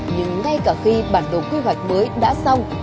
nhưng ngay cả khi bản đồ quy hoạch mới đã xong